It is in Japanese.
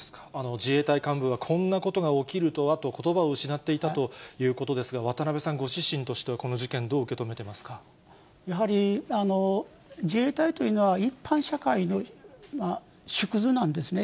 自衛隊幹部は、こんなことが起きるとはとことばを失っていたということですが、渡部さんご自身としては、この事件、どう受け止めやはり自衛隊というのは、一般社会の縮図なんですね。